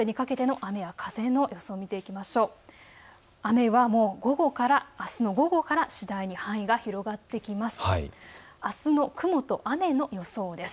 雨はあすの午後から次第に範囲が広がっていきます。